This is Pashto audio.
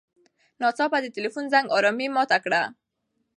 ناڅاپه د تیلیفون زنګ ارامي ماته کړه.